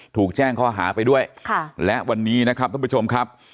ถูกแจ้งข้อหาไปด้วยค่ะและวันนี้นะครับท่านผู้ชมครับ